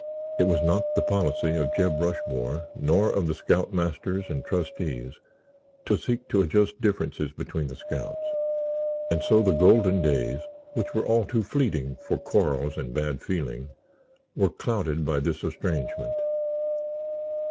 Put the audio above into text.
It was not the policy of Jeb Rushmore nor of the scoutmasters and trustees to seek to adjust differences between the scouts and so the golden days (which were all too fleeting for quarrels and bad feeling) were clouded by this estrangement.